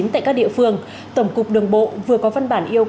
tại các địa phương tổng cục đường bộ vừa có văn bản yêu cầu